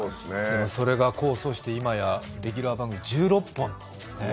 でも、それが功を奏して今やレギュラー番組１６本。